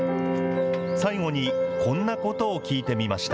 最後に、こんなことを聞いてみました。